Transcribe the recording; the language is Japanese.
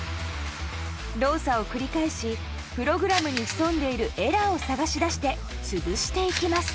動作を繰り返しプログラムに潜んでいるエラーを探し出して潰していきます。